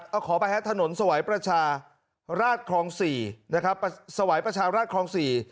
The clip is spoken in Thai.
เอาขอไปฮะถนนสวัยประชาราชคลอง๔นะครับสวัยประชาราชคลอง๔